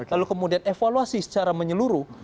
lalu kemudian evaluasi secara menyeluruh